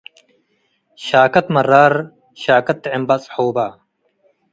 ሻከት መራር ሻከት ጥዕም በጽሖ በ።